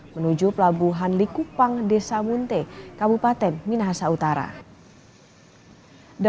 menuju pelabuhan likupang desa munte kabupaten minahasa utara